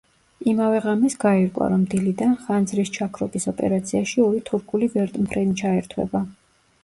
იმავე ღამეს გაირკვა, რომ დილიდან ხანძრის ჩაქრობის ოპერაციაში ორი თურქული ვერტმფრენი ჩაერთვება.